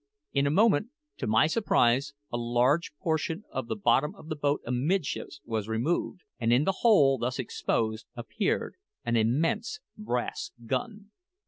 In a moment, to my surprise, a large portion of the bottom of the boat amidships was removed, and in the hole thus exposed appeared an immense brass gun.